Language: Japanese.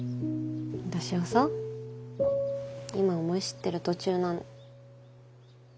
私はさ今思い知ってる途中なの。